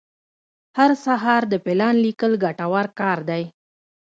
هر سهار د پلان لیکل ګټور کار دی.